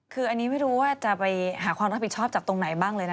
คืออันนี้ไม่รู้ว่าจะไปหาความรับผิดชอบจากตรงไหนบ้างเลยนะ